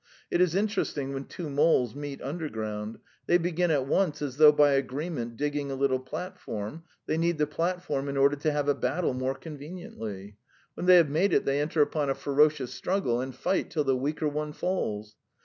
It is interesting when two moles meet underground; they begin at once as though by agreement digging a little platform; they need the platform in order to have a battle more conveniently. When they have made it they enter upon a ferocious struggle and fight till the weaker one falls.